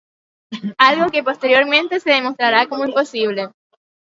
Algo que posteriormente se demostrará como imposible.